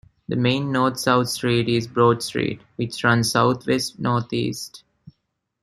The main north-south street is Broad Street, which runs southwest-northeast.